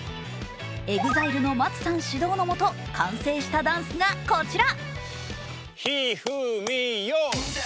ＥＸＩＬＥのＭＡＴＳＵさん指導のもと完成したダンスがこちら。